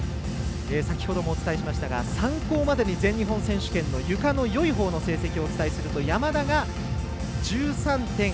先ほどもお伝えしましたが参考までに全日本選手権のゆかのよいほうの成績をお伝えすると山田が１３．１３３。